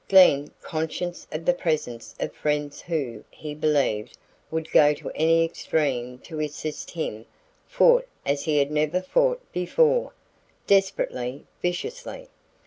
Glen, conscious of the presence of friends who, he believed, would go to any extreme to assist him, fought as he had never fought before, desperately, viciously.